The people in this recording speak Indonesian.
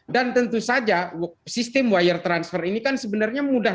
dan tentu saja sistem wire transfer ini kan sebenarnya mudah